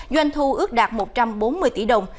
doanh thu ước đạt một trăm bốn mươi tỷ đồng